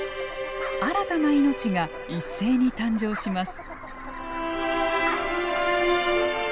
新たな命が一斉に誕生します。